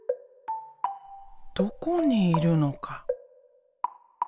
どこにいるのか。